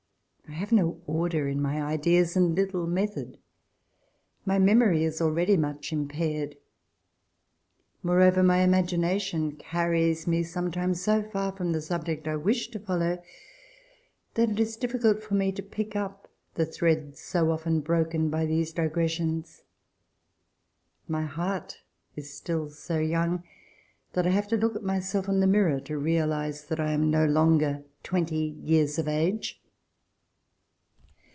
I have no order in my ideas, and little method. My memxory is already much impaired. Moreover, my imagination carries me sometimes so far from the subject I wish to follow that it is diflficult for me to pick up the threads so often broken by these digressions. My heart is still so young that I have to look at myself in the mirror to realize that I am no longer twenty years of age.